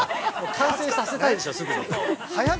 完成させたいでしょう、すぐに。